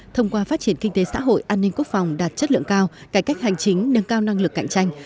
thông qua phát triển kinh tế xã hội an ninh quốc phòng đạt chất lượng cao cải cách hành chính nâng cao năng lực cạnh tranh